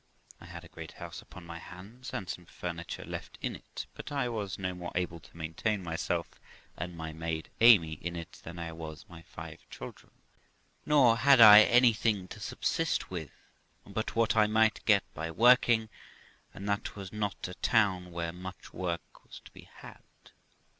I had a great house upon my hands, and some furniture left in it; but I was no more able to maintain myself and my maid Amy in it than I was my five children; nor had I anything to subsist with but what I might get by working, and that was not a town where much work was to be had.